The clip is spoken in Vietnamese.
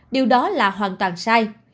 điều đó là hoàn toàn sai